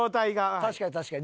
確かに確かに。